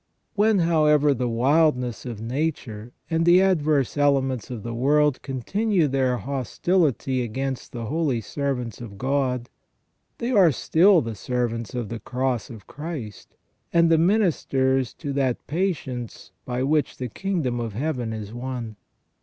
When, however, the wildness of nature and the adverse elements of the world continue their hostility against the holy servants of God, they are still the servants of the Cross of Christ, and the ministers to that patience by which the Kingdom of Heaven is won.